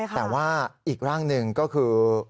แต่ว่าอีกร่างหนึ่งก็คือ